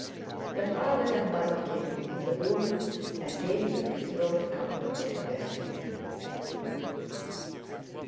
The father and mother came into the room and gave the betrothed couple their blessing.